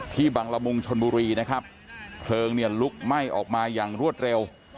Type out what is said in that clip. บังละมุงชนบุรีนะครับเพลิงเนี่ยลุกไหม้ออกมาอย่างรวดเร็ว